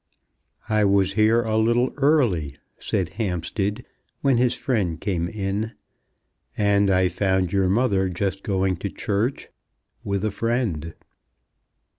"I was here a little early," said Hampstead when his friend came in, "and I found your mother just going to church, with a friend."